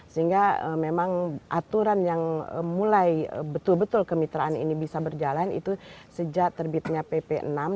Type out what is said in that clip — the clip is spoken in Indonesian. sehingga memang aturan yang mulai betul betul kemitraan ini bisa berjalan itu sejak terbitnya pp enam